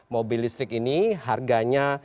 mobil listrik ini harganya